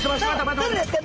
どれですか？